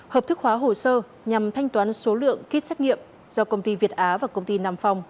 hợp thức hóa hồ sơ nhằm thanh toán số lượng kit xét nghiệm do công ty việt á và công ty nam phong